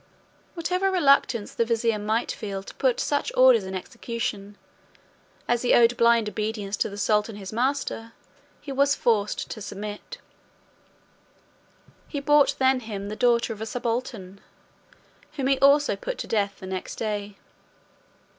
Whatever reluctance the vizier might feel to put such orders in execution, as he owed blind obedience to the sultan his master, he was forced to submit. He brought him then the daughter of a subaltern, whom he also put to death the next day.